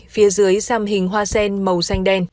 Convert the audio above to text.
phía dưới xăm hình hoa sen màu xanh đen